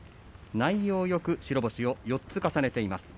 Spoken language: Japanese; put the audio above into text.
内容よく白星を４つ重ねています。